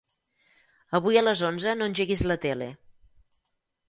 Avui a les onze no engeguis la tele.